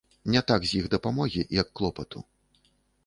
Не так з іх дапамогі, як клопату.